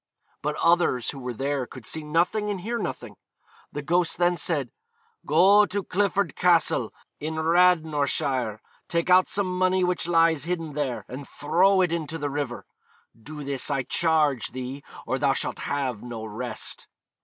But others who were there could see nothing and hear nothing. The ghost then said, 'Go to Clifford Castle, in Radnorshire, take out some money which lies hidden there, and throw it into the river. Do this, I charge thee, or thou shalt have no rest.'